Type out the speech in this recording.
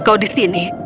kau di sini